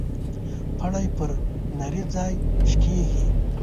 پړى پر نري ځاى شکېږي.